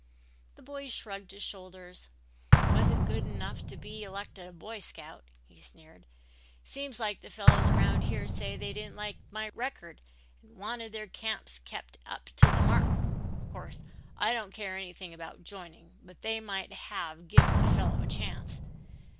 The boy shrugged his shoulders. "Wasn't good enough to be elected a Boy Scout," he sneered, "seems like the fellows around here said they didn't like my record and wanted their camps kept up to the mark. Course I don't care anything about joining but they might have given a fellow a chance.